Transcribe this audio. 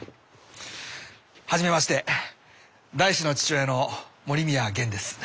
はじめまして大志の父親の森宮源です。